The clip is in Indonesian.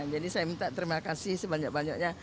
jadi saya minta terima kasih sebanyak banyaknya